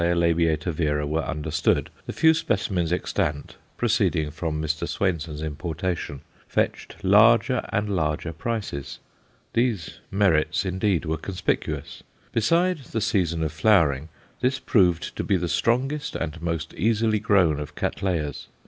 labiata vera_ were understood, the few specimens extant proceeding from Mr. Swainson's importation fetched larger and larger prices. Those merits, indeed, were conspicuous. Besides the season of flowering, this proved to be the strongest and most easily grown of Cattleyas.